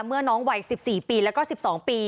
เมื่อน้องวัย๑๔ปีแล้วก็๑๒ปี